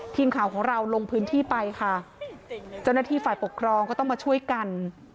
ทีมข่าวของเราลงพื้นที่ไปค่ะเจ้าหน้าที่ฝ่ายปกครองก็ต้องมาช่วยกัน